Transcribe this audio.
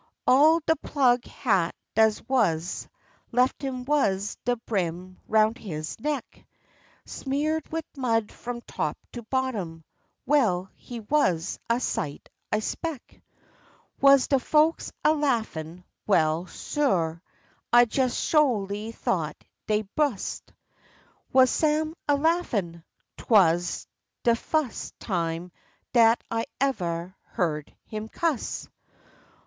All de plug hat dat wuz lef' him wuz de brim aroun' his neck, Smear'd wid mud f'om top to bottom, well, he wuz a sight, I 'speck. Wuz de folks a laffin'? Well, su', I jes sholy thought dey'd bus'; Wuz Sam laffin'? 'Twuz de fus' time dat I evah heah'd him cuss.